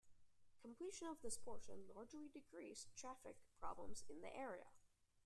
Completion of this portion largely decreased traffic problems in the area.